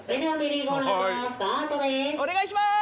お願いします！